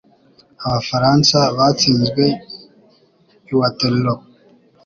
Abafaransa batsinzwe i Waterloo.